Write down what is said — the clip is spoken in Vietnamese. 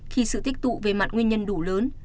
khi sự tích tụ về mặt nguyên nhân đủ lớn